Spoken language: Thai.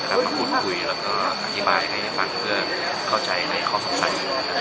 มาพูดคุยแล้วก็อธิบายให้ได้ฟังเพื่อเข้าใจในข้อสงสัย